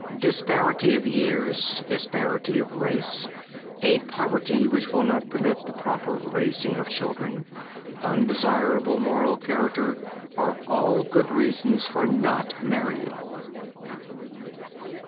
Disparity of years, disparity of race, a poverty which will not permit the proper raising of children, undesirable moral character are all good reasons for not marrying.